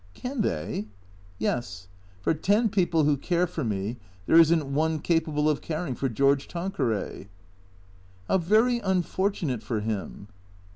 "Can they?" " Yes. For ten people who care for me there is n't one cap able of caring for George Tanqueray." " How very unfortunate for him."